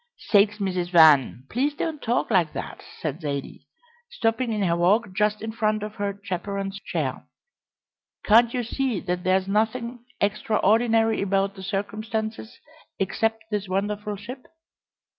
"Sakes, Mrs. Van, please don't talk like that!" said Zaidie, stopping in her walk just in front of her chaperon's chair. "Can't you see that there's nothing extraordinary about the circumstances except this wonderful ship?